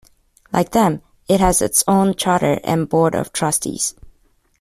Like them, it has its own charter and Board of Trustees.